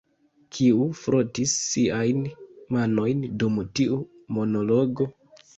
Kiu frotis siajn manojn dum tiu monologo?